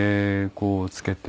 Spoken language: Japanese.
こう着けて。